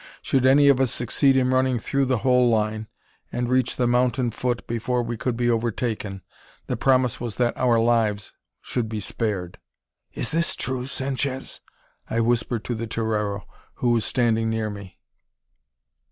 Should any of us succeed in running through the whole line, and reach the mountain foot before we could be overtaken, the promise was that our lives should be spared! "Is this true, Sanchez?" I whispered to the torero, who was standing near me.